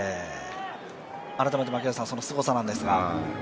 改めて、そのすごさなんですが。